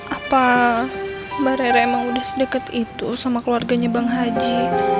apa mbak rara emang udah sedekat itu sama keluarganya bang haji